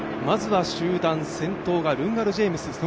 まずは集団、先頭がルンガル・ジェームス